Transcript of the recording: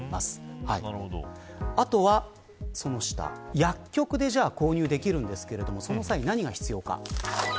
薬局で購入できるんですがその際に何が必要か。